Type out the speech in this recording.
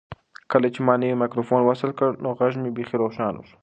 کله چې ما نوی مایکروفون وصل کړ نو غږ مې بیخي روښانه شو.